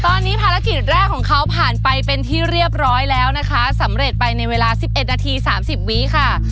ตอนนี้ภารกิจแรกของเขาผ่านไปเป็นที่เรียบร้อยแล้วนะคะสำเร็จไปในเวลา๑๑นาที๓๐วิค่ะ